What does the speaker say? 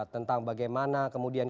tentang bagaimana kemudian